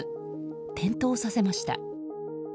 転倒させました。